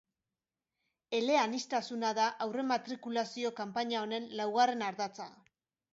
Eleaniztasuna da aurrematrikulazio kanpaina honen laugarren ardatza.